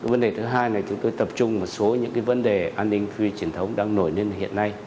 vấn đề thứ hai là chúng tôi tập trung một số những vấn đề an ninh phi truyền thống đang nổi lên hiện nay